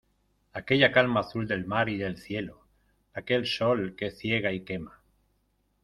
aquella calma azul del mar y del cielo, aquel sol que ciega y quema